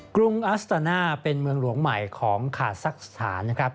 กรุงอัสตาน่าเป็นเมืองหลวงใหม่ของคาซักสถานนะครับ